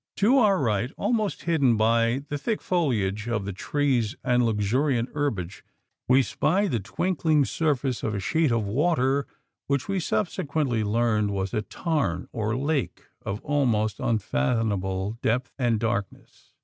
To our right, almost hidden by the thick foliage of the trees and luxuriant herbage, we espied the twinkling surface of a sheet of water which we subsequently learned was a tarn or lake of almost unfathomable depth and darkness.